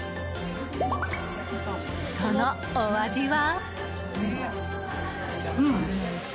そのお味は。